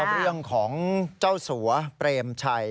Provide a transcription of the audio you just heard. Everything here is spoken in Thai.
เรื่องของเจ้าสัวเปรมชัย